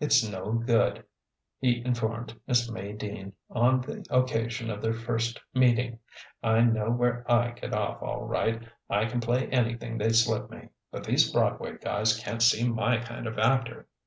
"It's no good," he informed Miss May Dean on the occasion of their first meeting: "I know where I get off, all right. I can play anything they slip me, but these Broadway guys can't see my kind of actor.